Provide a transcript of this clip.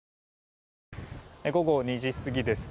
午後２時過ぎです。